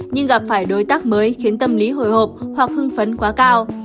nhưng gặp phải đối tác mới khiến tâm lý hồi hộp hoặc hưng phấn quá cao